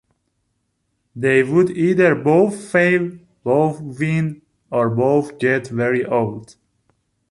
They would either both fail, both win or both get very old.